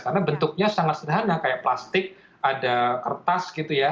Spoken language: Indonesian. karena bentuknya sangat sederhana kayak plastik ada kertas gitu ya